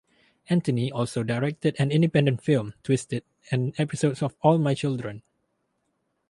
Anthony also directed an independent film, "Twisted", and episodes of "All My Children".